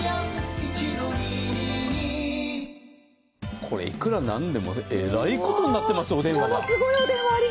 これ、いくら何でもえらいことになってますよ、お電話が。